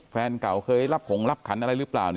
แฟนเก่าเคยรับของรับขันอะไรหรือเปล่า